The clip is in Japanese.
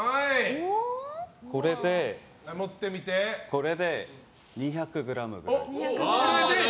これで２００ｇくらい。